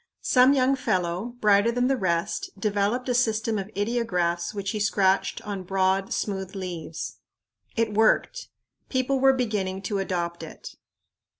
Some young fellow, brighter than the rest, developed a system of ideographs which he scratched on broad, smooth leaves. It worked. People were beginning to adopt it.